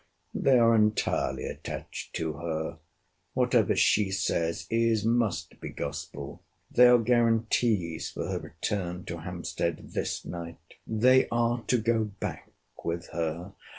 They are entirely attached to her. Whatever she says, is, must be, gospel! They are guarantees for her return to Hampstead this night. They are to go back with her.